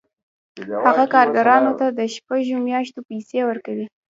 هغه کارګرانو ته د شپږو میاشتو پیسې ورکوي